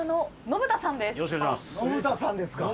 延田さんですか。